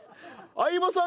相葉さん